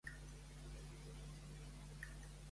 Com ho faig per arribar a l'ABaC?